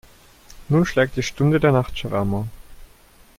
Nun schlägt die Stunde der Nachtschwärmer.